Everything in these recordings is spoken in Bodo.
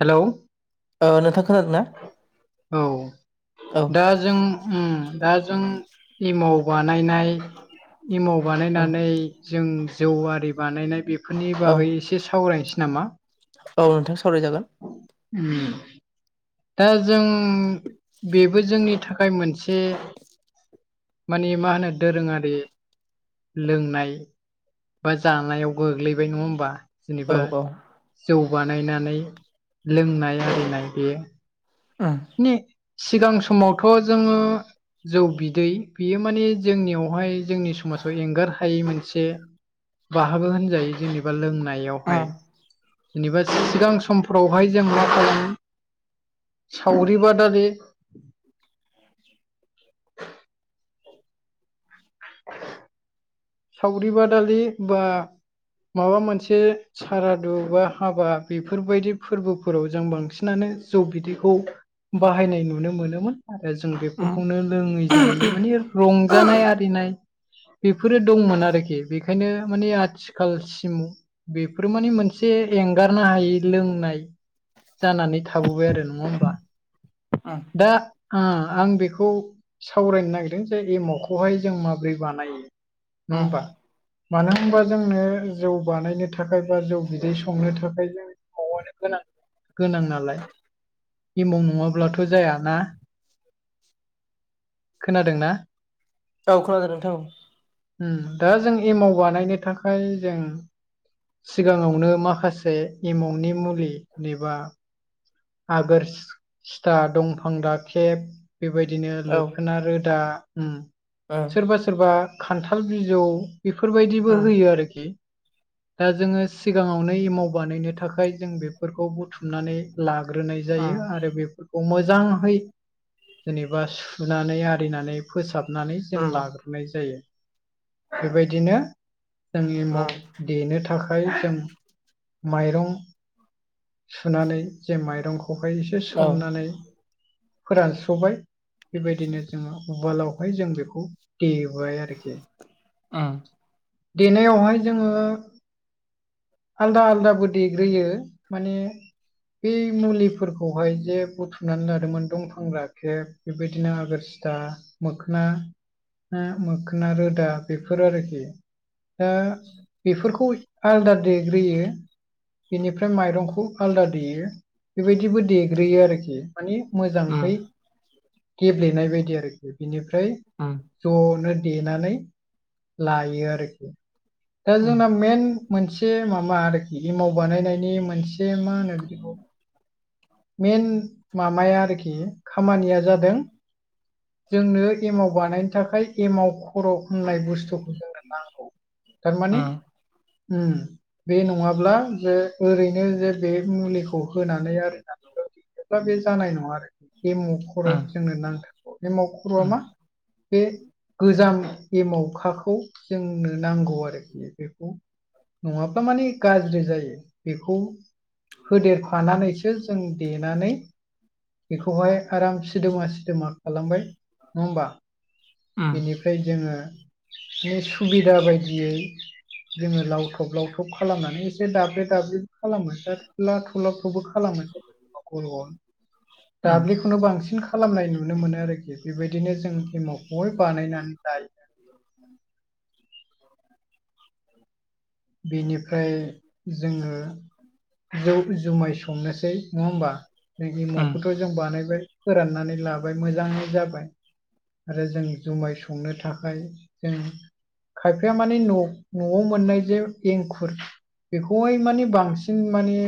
हेलौ ओ नोंथां खोनादों ना? औ औ दा जों उम। दा जों एमाव बानायनाय एमाव औ बानायनानै जों जौ आरि बानायनाय बेफोरनि औ बागै एसे सावरायनोसै नामा? औ नोंथां सावरायजागोन उम दा जों बेबो जोंनि थाखाय मोनसे माने मा होनो दोरोङारि लोंनाय बा जानायाव गोग्लैबाय नङा होमबा? जेनेबा औ औ जौ बानायनानै लोंनाय आरिनाय बेयो उम ने सिगां समावथ' जोङो जौ बिदै बियो माने जोंनियावहाय जोंनि समाजाव एंगार हायै मोनसे बाहागो होनजायो जेनेबा लोंनाय आवगाय उम जेबा सिगां समफोरावहाय जों मा खालाम। सावरि बादालि सावरि बादालि बा माबा मोनसे सारादु बा हाबा बेफोरबायदि फोरबोफोराव जों बांसिनानो जौ बिदैखौ बाहायनाय नुनो मोनोमोन। आरो जों उम बेफोरखौनो लोङै जायै माने उम रंजानाय आरिनाय बे फोरो दंमोन आरोखि बेनिखायनो माने आथिखालसिम बेफोर माने मोनसे एंगार गारनो हायै लोंनाय जानानै थाबोबाय आरो नङा होमबा दा आं बेखौ सावरायनो नागिरदों जे एमावखौहाय जों माबोरै बानायो? नङा उम होमबा मानो होनबा जोंनो जौ बानायनो थाखाय बा जौ बिदै संनो थाखाय जोंनो एमावनो गोनां गोनां नालाय एमाव नङाब्लाथ' जायाना खोनादोंना औ खोनादों नोंथां उम दा जों एमाव बानायनो थाखाय जों सिगाङावनो माखासे एमावनि मुलि एबा आगोर सिथा दंफां दा राखेब बेबायदिनो औ उम लोखोनारोदा उम सोरबा सोरबा खान्थाल बिजौ बेफोरबायदिबो उम होयो आरोखि दा जोङो सिगाङावनो एमाव बानायनो थाखाय जों बेफोरखौ बुथुमनानै ला ग्रोनाय उम जायो आरो बे खौ मोजांहै जेनेबा सुनानै आरिनानै फोसाब नानै जों उम औ उम लाग्रोनाय जायो बेबायदिनो जों उम एमाव देनो था खाय जों माइरं सुनानै जे माइरं खौहाय एसे औ उम औ सोमनानै फोरानस्र'बाय बेबायदिनो जोङो उवालावहाय जों बेखौ देबाय आरोखि उम देनायावहाय जोङो आलदा आलदाबो देग्रोयो माने बे मुलिफोरखौहाय जे बुथुमनानै लादोंमोन दंफां राखेब बेबायदिनो आगोर सिथा मोखना मोखोना रोदा बेफोर आरोखि दा बेफोरखौ आलादा देग्रोयो बेनिफ्राय माइरंखौ आलादा देयो बेबायदिबो देग्रोयो आरोखि माने मोजांहै गेब्लेनाय बायदि आरोखि बिनिफ्राय ज'नो देनानै लायो आरोखि दा जोंना मेन मोनसे माबा आरोखि इमाव बानायनायनि मोनसे मा होनो बिदिखौ मेन माबाया आरोखि खामानिया जादों जोंनो एमाव बानायनो थाखाय एमाव खर' होननाय बुस्थुखौ जोंनो नांगौ थारमाने उम बे नङाब्ला जे ओरैनो जे बे मुलिखौ होनानै आरो [unintelligible] ब्ला बे जानाय नङा आरोखि एमाव खर' जोंनो नांथारगौ एमाव खर'आ मा बे गोजाम एमावखाखौ जोंनो नांगौ आरोखि बेखौ नङाब्ला माने गाज्रि जायो बेखौ होदेरफानानैसो जों देनानै बेखौहाय आराम सिदोमा सिदोमा खालामबाय नङा होमबा बेनिफ्राय जोङो माने सुबिदा बायदियै जोङो लावथब लावथब खालामनानै एसे दाब्ले दाब्ले खालामो लाथु- खौबो खालामो जेनेबा गल गल दाब्लिखौनो बांसिन खालामनाय नुनो मोनो आरोखि बेबायदिनो जों एमावखौहाय बानायनानै लायो उ बेनिफ्राय जोङो जौ जुमाय संनोसै नङा होमबा एमावखौथ' जों बानायबाय फोराननानै लाबाय मोजां जाबाय आरो जों जुमाय संनो थाखाय जों खायफाया माने न' न'आव मोननाय जे एंखुर बेखौहाय माने बांसिन माने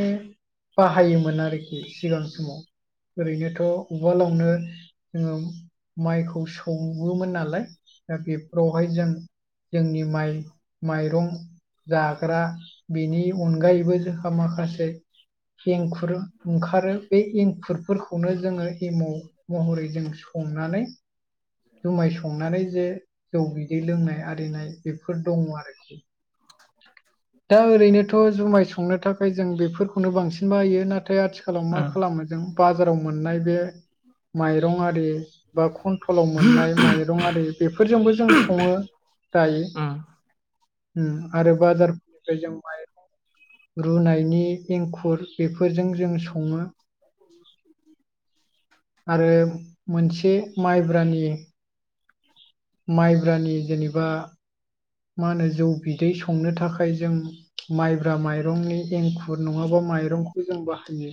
बाहायोमोन आरोखि सिगां समाव ओरैनोथ' उवालावनो जोङो माइखौ सौवोमोन नालाय दा बेफोरावहाय जों जोंनि माइ माइरं जाग्रा बेनि अनगायैबो जों माखासे एंखुर ओंखारो बे एंखुरफोरखौनो जोङो एमाव महरै जों संनानै जुमाय संनानै जे जौ बिदै लोंनाय आरिनाय बेफोर दङ आरोखि दा ओरैनोथ' जुमाय संनो थाखाय जों बेफोरखौनो बांसिन बाहायो ना- थाय आथिखालाव मा खालामो जों बाजाराव मोननाय बे माइरं आरि बा कनट्रलाव मोननाय माइरं आरि बेफोरजोंबो जों सङो दायो उम आरो बाजारफोरनिफ्राय जों माइरं रुनायनि एंखुर बेफोरजों जों सङो आरो मोनसे माइब्रानि माइब्रानि जेनेबा मा होनो जौ बिदै संनो थाखाय जों माइब्रा माइरंनि एंखुर नङाबा माइरंखौ जों बाहायो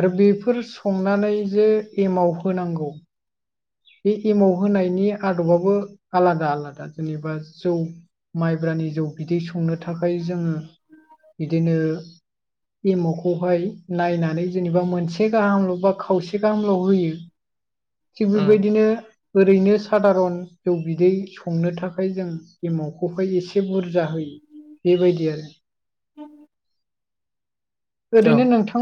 आरो बेफोर संनानै जे एमाव होनांगौ बे एमाव होनायनि आदबाबो आलादा आलादा जेनेबा जौ माइब्रानि जौ बिदै संनो थाखाय जोङो बिदिनो एमुखौहाय नायनानै जेनेबा मोनसे गाहामल' बा खावसे गाहामल' होयो। थिग बेबायदिनो ओरैनो साादारन जौ बिदै संनो था खाय जों एमावखौहाय एसे बुरजा होयो बेबायदि आरो। [inaudible] ओरैनो नोंथां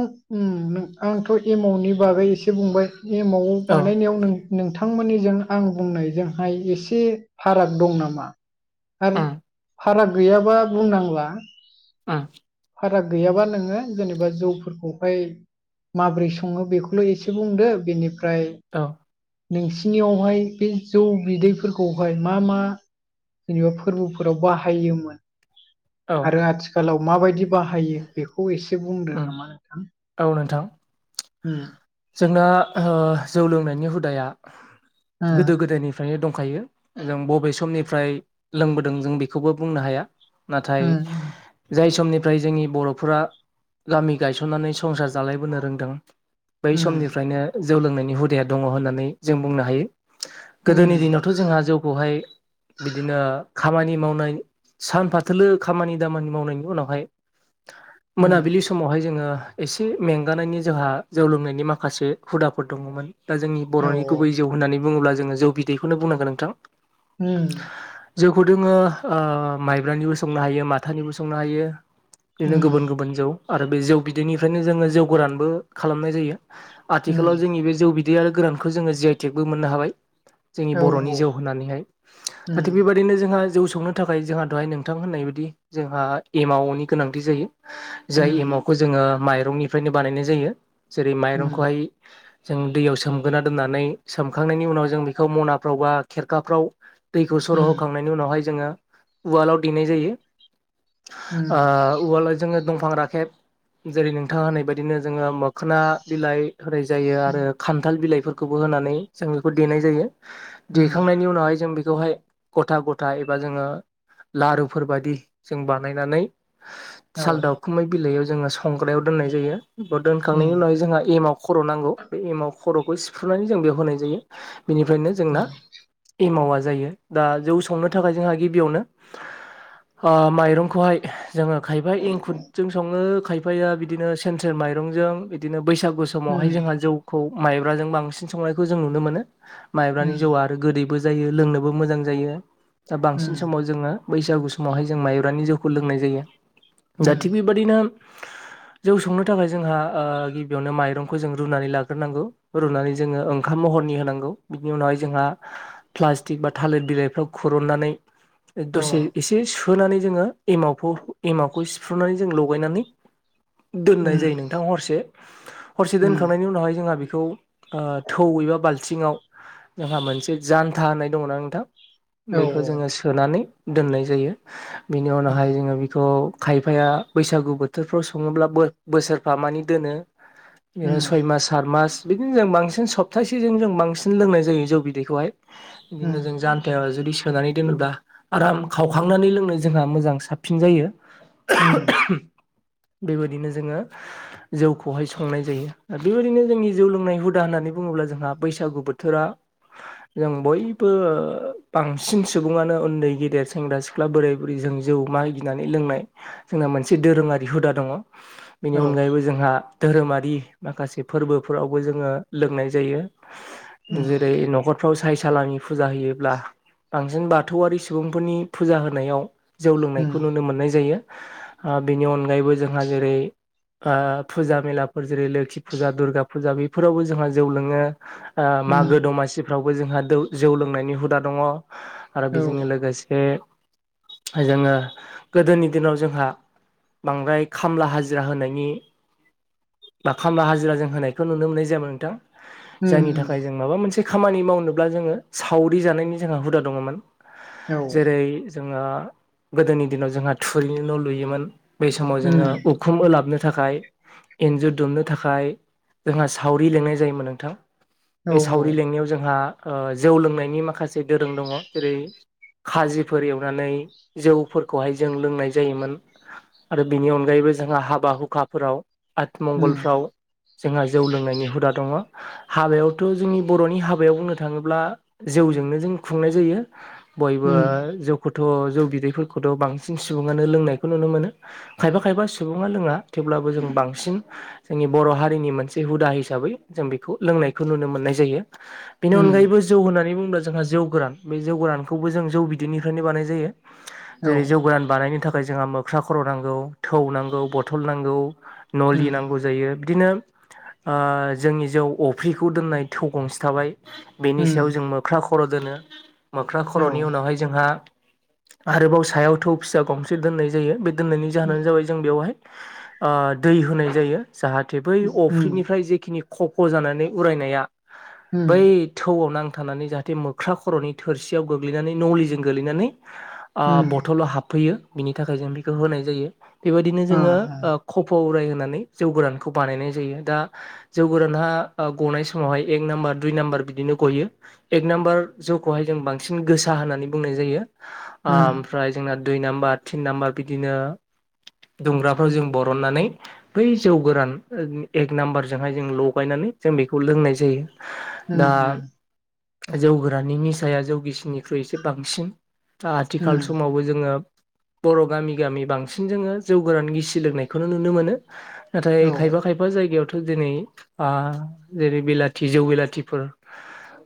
आंथ' एमाउनि बागै एसे बुंबाय एमाउ बानायनायाव नों नोंथांमोननिजों आं बुंनायजोंहाय एसे फाराग दं नामा? आरो फाराग गैयाबा बुंनांला फाराग गैयाबा नोङो जेनेबा जौफोरखौहाय माबोरै सङो बेखौल' एसे बुंदो बेनिफ्राय नोंसिनियावहाय बे जौ बिदैफोरखौहाय मा मा जेनेबा फोरबोफोराव बाहायोमोन औ आरो आथिखालाव माबायदि बाहायो बेखौ एसे बुंदो उम नामा नोंथां। औ नोंथां ओम जोंना जौ लोंनायनि हुदाया गोदो गोदायनिफ्रायनो दंखायो जों बबे समनि फ्राय लोंबोदों जों बेखौबो बुंनो हाया नाथाय ओ जाय समनि फ्राय जोंनि बर'फोरा गामि गायसननानै संसार जालायबोनो रोंदों बै उम समनिफ्रायनो जौ लोंनायनि हुदाया दङ होननानै जों बुंनो हायो। उम गोदोनि दिनावथ' जोंहा जौखौहाय बिदिनो खामानि मावनाय सानफाथोलो खामानि दामानि मावनायनि उनावहाय मोनाबिलि समावहाय जोङो एसे मेंगानायनि जोंहा जौ लोंनायनि माखासे हुदाफोर दङमोन दा जोंनि बर'नि गुबै जौ होननानै बुङोब्ला जोङो जौ बिदैखौनो बुंनांगोन नोंथां। उम जौखौ दोङो माइब्रानिबो संनो हायो माथानिबो संनो हायो। उम बिदिनो गुबुन गुबुन जौ आरो बे जौ बिदैनिफ्रायनो जोङो जौ गोरानबो खालामनाय जायो। आथिखालाव उम औ जोंनि बे जौ बिदै आरो गोरानखौ जोङो जि आइ टेकबो मोननो हाबाय। जोंनि औ बर'नि जिउ होननानैहाय दा थिग उम बेबायदिनो जोंहा जौ सौनो थाखाय जोंहा दहाय नोंथां होननाय बायदि जोंहा एमावनि गोनांथि जायो। जाय उम एमावखौ जोङो माइरंनिफ्रायनो बानायनाय जायो जेरै उम माइरंखौहाय जों दैयाव सोमगोना दोननानै सोमखांनायनि उनाव जों बेखौ मनाफ्राव बा खेरखाफ्राव दैखौ सर' होखांनायनि उनावहाय जोङो उवालाव देनाय जायो। उवालाय जोङो दंफां राखेब जेरै नोंथाङा होनायबायायदिनो जोङो मो खोना बिलाइ होनाय जायो आरो खान्थाल बिलाइफोरखौबो होनानै जों बेखौ देनाय जायो। देखांनायनि उनावहाय जों बे बेवहाय गथा गथा एबा जोङो लारुफोर बायदि जों बानायनानै औ साल दाावखुमै बिलाइयाव जोङो संग्रायाव दोननाय जायो। दोनखांनायनि उम उनाव जोंहा एमाव खर' नांगौ बे एमाव खर'खौ सिफ्रुनानै जों बेयाव होनाय जायो। बिनिफ्रायनो जोंना उम एमाउआ जायो दा जौ संनो थाखाय जोंहा गिबियावनो ओ माइरंखौहाय जोङो खायफा एंखुरुरजों सङो खायफाया बिदिनो सेर सेर माइरंजों बिदिनो बैसागु समावहाय उम जोंहा जौखौ माइब्राजों बांसिन संनायखौ जों नुनो मोनो माइब्रानि उम जौआ आरो गोदै बो जायो लोंनोबो मोजां जायो। दा बांसिन उम सोमावसार जोङो बैसागुयावहाय जोङो माइब्रानि जौखौ लोंनाय जायो दा उम थिग बेबायाददिनो जौ संनो थाखाय जोंहा गिबियावनो माइरंखौ जों रुनानै लाग्रोनांगौ रुनानै जोङो ओंखाम महरनि होनांगौ बिनि उनाव जोंहा पाल्तिक बा थालिर बिलाइफ्राव खुरननानै औ दरसे एसे सु सोनानै जोङो एमावखौ एमावखौ सिफ्रुनानै जों लगायनानै दोननाय उम जायो नों हरसे हरसे उम दोनखांनायनि उनावहाय जोंहा बेखौ थौ एबा बालथिङाव जोंहा मोनसे जानथा होननाय दङना नोंथां बेखौ जोङो सोनानै दोननाय जायो बेनि उनावहाय जोङो बेखौ खायफाया बैसागु बोथोरफ्राव सङोब्ला बोसोरफा मानि दोनो बिनो उम सय मास सात मास बिदिनो जों बांसिन सप्तासेजों जों बांसिन लोंनाय जायो जौ बिदैखौहाय बिदिनो जों उम जान्थायाव जुदि होनानै दोनोब्ला आराम खावखांनानै लोंनो जोंहा मोजां साबसिन जायो उम बेबायदिनो जोङो [inaudible] जौखौहाय संनाय जायो दा बेबायदिनो जोंनि जौ लोंनाय हुदा होननानै बुङोब्ला जोंहा बैसागु बोथोरा जों बयबो बांसिन सुबुङानो उन्दै गेदेर सेंग्रा सिख्ला बोराय बुरै जों जौ मागिनानै लोंनाय जोंना मोनसे दोरोङारि हुदा दङ बेनि औ उम औ उम औ अनगायैबो जोंहा धोरोमारि माखासे फोरबोफोरावबो जोङो लोंनाय जायो उम जेरै न'खरफ्राव फिथाइ सलामिनि फुजा होयोब्ला बांसिन बाथौआरि सुबुंफोरनि फुजा होनायाव जौ उम लोंनायखौ नुनो मोननाय जायो बेनि अनगायैबो जोंहा जेरै फुजा मेलाफोर जेरै लोखि फुजा दुर्गा फुजा बेफोरावबो जोंहा जौ लोङो मागो उम दमासिफ्रावबो जोंहा जौ लोंनायनि हुदा दङ आरो औ बेजोंनो लोगोसे जोङो गोदोनि दिनाव जोंहा बांद्राय खामला हाजिरा होनाय बा खामला हाजिरा जों होनायखौ नुनो मोननाय जायामोन नोंथां उम जायनि थाखाय जों माबा मोनसे खामानि मावनोब्ला जोङो सावरि जानायनि जोंहा हुदा दङमोन उम औ जेरै जोङो गोदोनि दिनाव जोंहा थुरिनि न' लुयोमोन बै समाव जोङो उम उखुम उलाब नो थाखाय एन्जुर दुमनो थाखाय जोंहा सावरि लिनाय जायोमोन नोंथां औ बे सावरि लेंनायाव जोंहा जौ लोंनायनि माखासे दोरों दङ जेरै खाजिफोर एवनानै जौफोरखौहाय जों लोंनाय जायोमोन आरो बेनि अनगायैबो बे जोंहा हाबा हुखाफोराव उम आतमंगलफ्राव जोंहा जौ लोंनायनि हुदा दङ हाबायावथ' जोंनि बर'नि हाबायाव बुंनो थाङोब्ला जौ जौ जोंनो खुंनाय जायो बयबो उम जौ थ' जौ बिदैफोरखौथ' बांसिन सुबुङानो लोंनायखौ नुनो मोनो खायफा खायफा सुबुङा लोङा थेवब्लाबो जों बांसिन जोंनि बर' हारिनि मोनसे हुदा हिसाबै जों बेखौ लोंनायखौ नुनो मोननाय जायो बेनि उम अनगायैबो जौ होननानै बुं होनोमब्ला जोंहा जौ गोरान बे जौ गोरानखौबो जों जौ बिदैनिफ्रायनो बानाय नाय जायो औ जेरै जौ गोरान बानायनो थाखाय जोंहा मोख्रा खर' नांगौ थौ नांगौ बथल नांगौ नलि उम नांगौ जायो बिदिनो जोंनि जौ अफ्रिखौ दोननाय थौ गंसे थाबाय बेनि उम सायाव जों मोख्रा खर' दोनो मोख्रा औ खर'नि उनावहाय जोंहा आरोबाव सायाव थौ फिसा गंसे दोननाय जायो बे दोननायनि जाहोनानो जाबाय जों बेवहाय दै होनाय जायो जाहाथे बै उम अफ्रिनिफ्राय जेखिनि खफ ख' जानानै उरायनाया बै उम थौआव नां थानानै जाहाथे मोख्रा खर'नि थोरसियाव गोग्लैनानै नलिजों गोग्लैनानै उम बथलाव हाबफैयो बिनि थाखाय जों बेखौ होनाय जायो बेबायदि अ जोङो अ खफ'उरायनानै जौ गोरानखौ बानायनाय जायो दा जौ गोराना गनाय समावहाय एक नाम्बार दुइ नाम्बार बिदिनो गयो एक नाम्बार जौखौहाय जों बांसिन गोसा होननानै बुंनाय जायो उम ओमफ्राय जोंना दुइ नाम्बार तिन नाम्बार बिदिनो दुंग्राफ्राव जों बरननानै बै जौ गोरान एक नाम्बारजोंहाय जों लगायनानै जों बेखौ लोंनाय जायो उ उ जौगोराननि निसाया जौगिसिननिख्रुइ एसे बांसिन दा आथिखाल उम समावबो जोङो बर' गामि गामि बांसिन जोङो जौ गोरान गिसि लोंनायखौनो नुनो मोनो नाथाय औ खायफा खायफा जायगायाव दिनै जेरै बिलाथि जौ बेलाथिफोर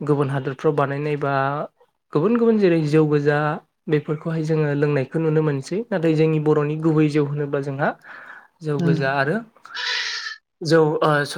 गुबुन हादोरफ्राव बानायनाय बा गुबुन गुबुन जेरै जौ गोजा बेफोरखौहाय जोङो लोंनायखौ नुनो मोनसै नाथाय जोंनि बर'नि गुबै होनोबा जोंहा जौ उम गोजा आरो जौ